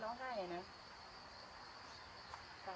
เต็กติ้นไม่บ้านเต็กติ้นไม่ห่าว